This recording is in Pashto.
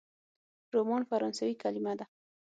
رومان فرانسوي کلمه ده.